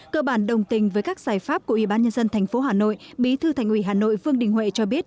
cơ bản đồng tình với các giải pháp của ubnd tp hà nội bí thư thành ủy hà nội vương đình huệ cho biết